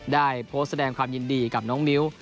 ได้โพสต์แสดงความยินดีกับน้องมิ้ว